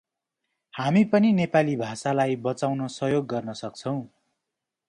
हामी पनी नेपाली भाषालाई बचाउन सहयोग गर्न सक्छौ ।